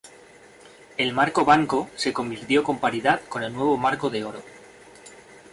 El Marco Banco se convirtió con paridad con el nuevo marco de oro.